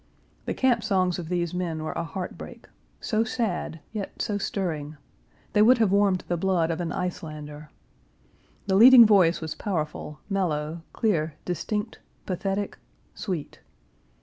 The camp songs of these men were a heartbreak; so sad, yet so stirring. They would have warmed the blood of an Icelander. The leading voice was powerful, mellow, clear, distinct, pathetic, sweet.